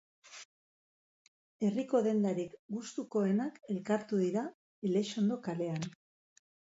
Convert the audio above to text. Herriko dendarik gustukoenak elkartu dira Elexondo kalean